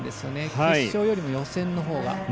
決勝よりも予選のほうが。